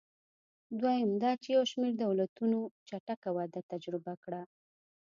دویم دا چې یو شمېر دولتونو چټکه وده تجربه کړه.